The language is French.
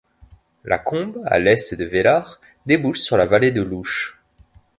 La combe à l'est de Velars débouche sur la Vallée de l'Ouche.